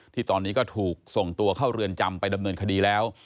ที่ตอนนี้ก็ถูกส่งตัวเข้าเรือนจำไปดำเนินคดีแล้ว